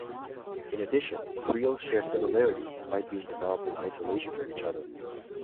In addition, creoles share similarities despite being developed in isolation from each other.